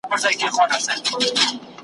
ځکه مي دا غزله ولیکله .